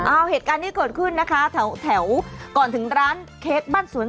เอาเหตุการณ์ที่เกิดขึ้นนะคะแถวก่อนถึงร้านเค้กบ้านสวน